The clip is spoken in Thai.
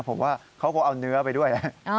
ผมว่าเขาก็เอาเนื้อไปด้วย